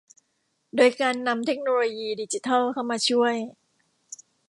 โดยการนำเทคโนโลยีดิจิทัลเข้ามาช่วย